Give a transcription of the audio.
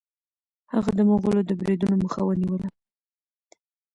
هغه د مغولو د بریدونو مخه ونیوله.